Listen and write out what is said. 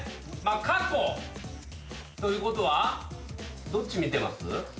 過去ということはどっち見てます？